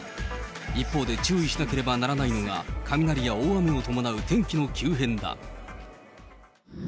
一方で注意しなければならないのが、雷や大雨を伴う天気の急変だ。